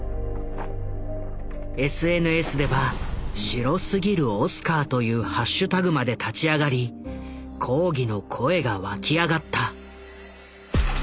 ＳＮＳでは「白すぎるオスカー」というハッシュタグまで立ち上がり抗議の声が湧き上がった。